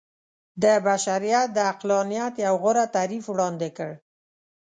د بشريت د عقلانيت يو غوره تعريف وړاندې کړ.